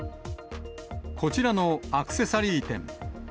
こちらのアクセサリー店。